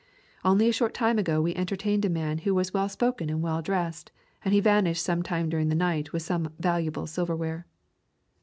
"Only a short time ago we entertained a man who was well spoken and well dressed, and he vanished some time during the night with some valuable silverware."